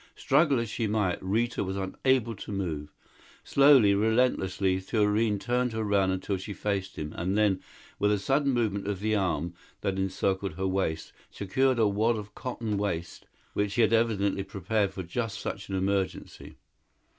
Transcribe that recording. Struggle as she might, Rita was unable to move. Slowly, relentlessly, Thurene turned her around until she faced him, and then, with a sudden movement of the arm that encircled her waist, secured a wad of cotton waste, which he had evidently prepared for just such an emergency.